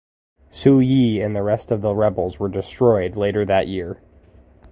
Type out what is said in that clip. Su Yi and the rest of the rebels were destroyed later that year.